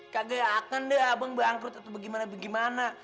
kagak akan deh abang bangkrut atau bagaimana bagaimana